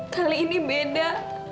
kali ini beda